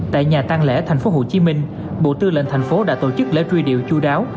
tại nhà tăng lễ thành phố hồ chí minh bộ tư lệnh thành phố đã tổ chức lễ truy điệu chú đáo